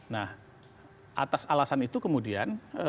nah atas alasan itu kemudian